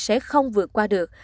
sẽ không vượt qua được